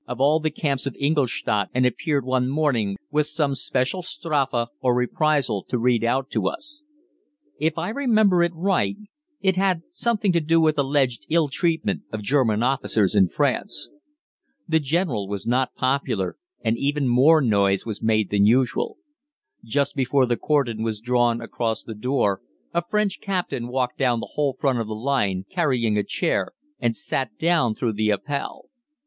of all the camps of Ingolstadt and appeared one morning with some special Strafe or reprisal to read out to us. If I remember right, it had something to do with alleged ill treatment of German officers in France. The General was not popular, and even more noise was made than usual. Just before the cordon was drawn across the door, a French captain walked down the whole front line carrying a chair and sat down throughout the Appell.